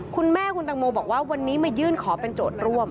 คุณแม่คุณตังโมบอกว่าวันนี้มายื่นขอเป็นโจทย์ร่วม